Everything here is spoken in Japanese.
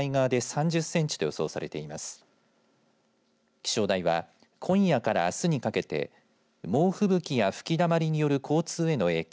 気象台は今夜からあすにかけて猛ふぶきや吹きだまりによる交通への影響